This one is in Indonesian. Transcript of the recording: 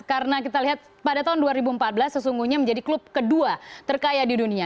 karena kita lihat pada tahun dua ribu empat belas sesungguhnya menjadi klub kedua terkaya di dunia